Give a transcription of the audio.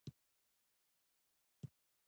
زده کوونکو د موسیقي د آلو غږول زده کول.